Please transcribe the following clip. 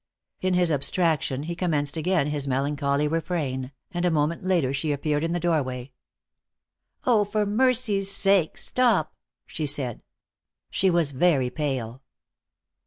In his abstraction he commenced again his melancholy refrain, and a moment later she appeared in the doorway: "Oh, for mercy's sake, stop," she said. She was very pale.